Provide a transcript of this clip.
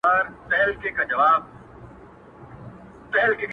د انتظار دې پر پدره سي لعنت شېرينې